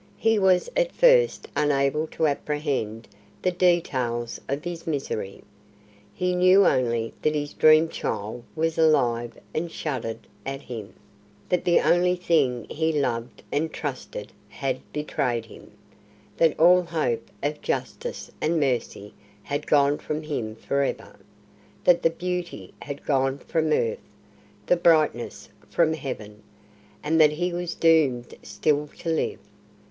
He was at first unable to apprehend the details of his misery. He knew only that his dream child was alive and shuddered at him, that the only thing he loved and trusted had betrayed him, that all hope of justice and mercy had gone from him for ever, that the beauty had gone from earth, the brightness from Heaven, and that he was doomed still to live.